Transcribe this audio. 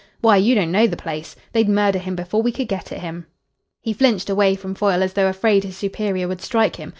"Why, you don't know the place. They'd murder him before we could get at him." He flinched away from Foyle as though afraid his superior would strike him.